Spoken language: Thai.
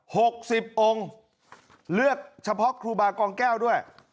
หกสิบองค์เลือกเฉพาะครูบากองแก้วด้วย